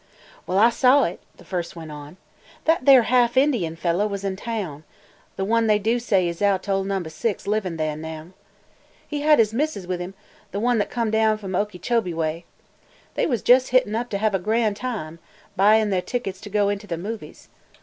"Well, I saw it," the first went on. "That there half Indian fellah was in taown – th' one they do say is out to old Number Six livin' theah now. He had his missis with him, th' one that come from down Okeechobee way. They wus jes' hittin' it up ter have a gran' time – buyin' their tickets to go into the movies.